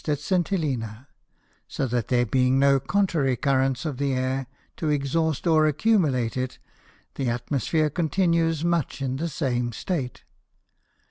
at St. Helena; so that there being no contrary Currents of the Air, to exhaust or accumulate it, the Atmosphere continues much in the same State.